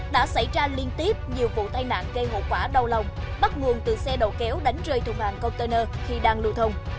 đã xảy ra liên tiếp nhiều vụ tai nạn gây hậu quả đau lòng bắt nguồn từ xe đầu kéo đánh rơi thùng hàng container khi đang lưu thông